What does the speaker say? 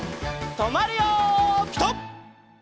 とまるよピタ！